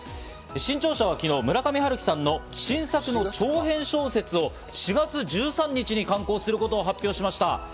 新潮社は昨日、村上春樹さんの新作長編小説を４月１３日に刊行することを発表しました。